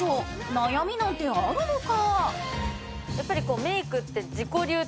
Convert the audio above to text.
悩みなんてあるのか？